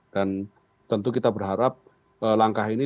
dan tentu kita berharap langkah ini tidak hanya berhentian